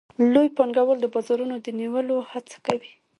لوی پانګوال د بازارونو د نیولو هڅه کوي